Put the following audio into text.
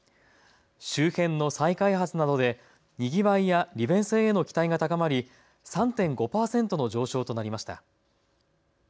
周辺の再開発などでにぎわいや利便性への期待が高まり３．５％の上昇となりました。